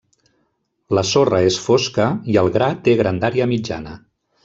La sorra és fosca i el gra té grandària mitjana.